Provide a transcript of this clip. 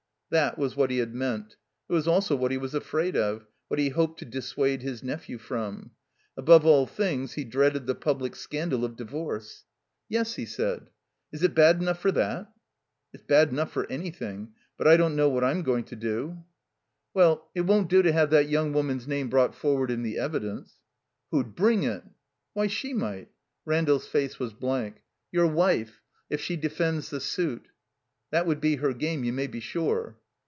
That was what he had meant. It was also what he was afraid of, what he hoped to dissuade his nephew from. Above all things he dreaded the public scandal of divorce. "Yes," he said. "Is it bad enough for that?" "It's bad enough for anything. But I don't kaow what Tm goin^ to do " THE COMBINED MAZE *'Well, it won't do to have that young woman's name brought forward in the evidence." "Who'd bring it?" "Why, she might" (Randall's face was blank). "Your wife, if she defends the suit. That would be her game, you may be sure."